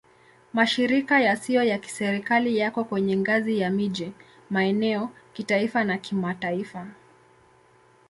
Mashirika yasiyo ya Kiserikali yako kwenye ngazi ya miji, maeneo, kitaifa na kimataifa.